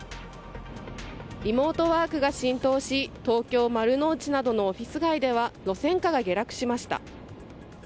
リモートワークが浸透し東京・丸の内などのオフィス街では路線価が下落しました。